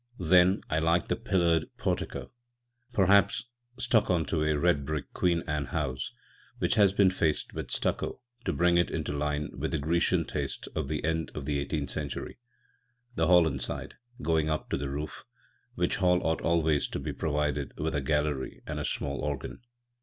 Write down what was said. Then, I like the pillared portico â€" perhaps stuck on to a red brick Queen Anne house which has been faced with stucco to bring it into line with the "Grecian" taste of the end of the eighteenth century; the hall inside, going up to the roof, which hall ought always to be provided with a gallery and a small organ.